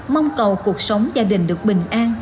mong cầu cuộc sống gia đình được bình an